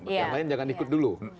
yang lain jangan ikut dulu